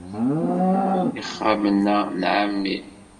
Ixxamen-a n ɛemmi.